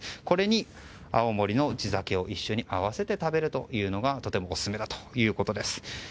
これに青森の地酒を一緒に合わせて食べるというのがとてもオススメだということです。